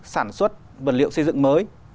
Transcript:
sản xuất vật liệu xây dựng mới